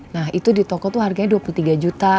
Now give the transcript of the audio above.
nah itu di toko itu harganya dua puluh tiga juta